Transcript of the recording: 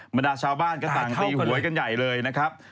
บรรดาชาวบ้านก็ต่างตีหวยกันใหญ่เลยนะครับ